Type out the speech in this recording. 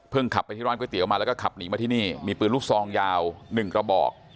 ขับไปที่ร้านก๋วมาแล้วก็ขับหนีมาที่นี่มีปืนลูกซองยาว๑กระบอก